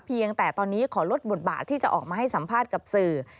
เพียงแต่ตอนนี้ขอลดบทบาทที่จะออกมาให้สัมภาษณ์กับสื่อ